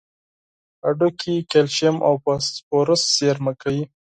هډوکي کلسیم او فاسفورس زیرمه کوي.